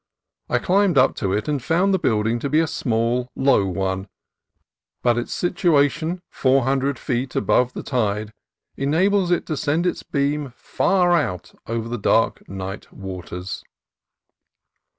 I climbed up to it and found the building to be asmall, low one; but its situation four hundred feet above the tide en ables it to send its beam far out over the dark night waters.